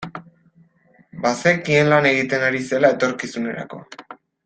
Bazekien lan egiten ari zela etorkizunerako.